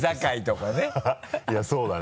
いやそうだね。